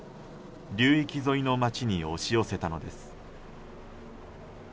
流域沿いの街に押し寄せたのです。